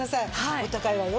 お高いわよ？